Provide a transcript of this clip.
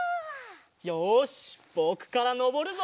よしぼくからのぼるぞ！